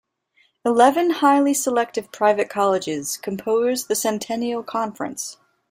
Eleven highly selective private colleges compose the Centennial Conference.